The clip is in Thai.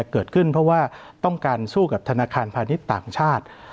เกิดขึ้นเพราะว่าต้องการสู้กับธนาคารพาณิชย์ต่างชาติ